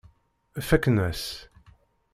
Faqen-as.